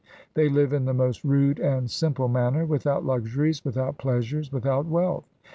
They live in the most rude and simple manner, without luxuries, without pleasures, without wealth.